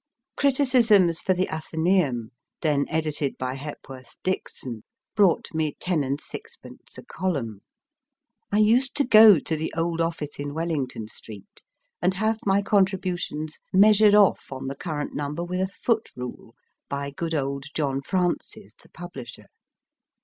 Criticisms for the Athen&um, then edited by Hepworth Dixon, brought me ten and sixpence a column. I used to go to the old office in Wellington Street and have my contri butions measured off on the current number with a foot rule, by good old John Francis, the publisher.